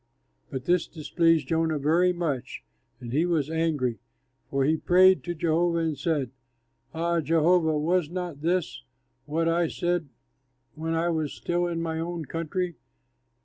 But this displeased Jonah very much and he was angry. And he prayed to Jehovah and said, "Ah, Jehovah, was not this what I said when I was still in my own country?